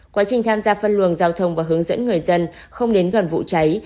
quá trình tham gia phân luồng giao thông và hướng dẫn người dân không đến gần vụ cháy